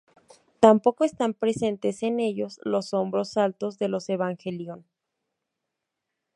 Tampoco están presentes en ellos los hombros altos de los Evangelion.